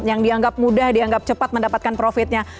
yang dianggap mudah dianggap cepat mendapatkan profitnya